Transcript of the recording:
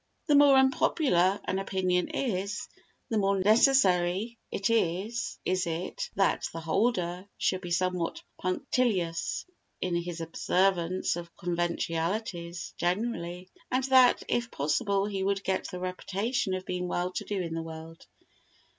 The more unpopular an opinion is, the more necessary is it that the holder should be somewhat punctilious in his observance of conventionalities generally, and that, if possible, he should get the reputation of being well to do in the world.